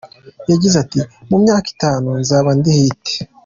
Yagize ati “Mu myaka itanu nzaba ndi hit.